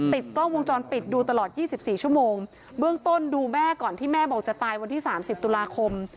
ติดกล้องวงจรปิดดูตลอด๒๔ชั่วโมงเบื้องต้นดูแม่ก่อนที่แม่บอกจะตายวันที่สามสิบตุลาคม